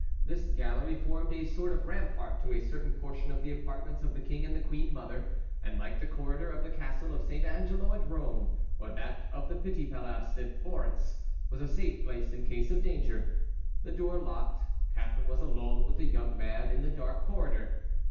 This gallery formed a sort of rampart to a certain portion of the apartments of the king and the queen mother, and, like the corridor of the castle of Saint Angelo at Rome, or that of the Pitti Palace at Florence, was a safe place in case of danger. The door locked, Catharine was alone with the young man in the dark corridor.